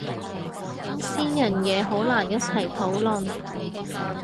私人嘢好難一齊討論